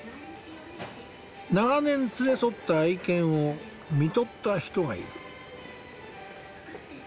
長年連れ添った愛犬を看取った人がいる。